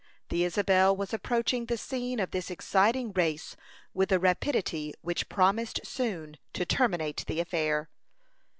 The Isabel was approaching the scene of this exciting race with a rapidity which promised soon to terminate the affair.